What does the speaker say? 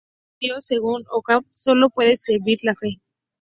Para conocer a Dios, según Ockham, sólo puede servir la fe.